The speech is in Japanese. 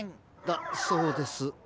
だそうです。